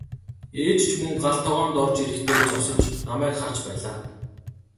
Ээж ч мөн гал тогоонд орж ирэхдээ зогсож намайг харж байлаа.